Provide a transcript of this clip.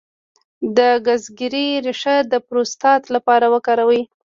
د ګزګیرې ریښه د پروستات لپاره وکاروئ